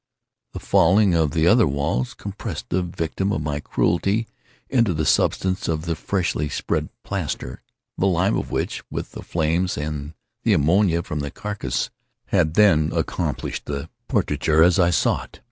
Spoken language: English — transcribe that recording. The falling of other walls had compressed the victim of my cruelty into the substance of the freshly spread plaster; the lime of which, with the flames, and the ammonia from the carcass, had then accomplished the portraiture as I saw it.